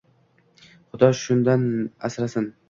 Xudo shundan asrasin!